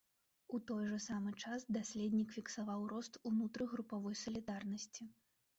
У той жа самы час даследнік фіксаваў рост унутрыгрупавой салідарнасці.